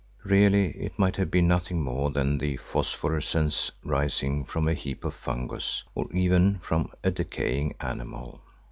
Really it might have been nothing more than the phosphorescence rising from a heap of fungus, or even from a decaying animal.